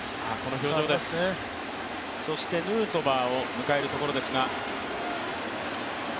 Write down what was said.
そしてヌートバーを迎えるところですが。